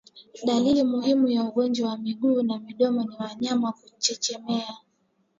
Dalili muhimu ya ugonjwa wa miguu na midomo ni wanyama kuchechemea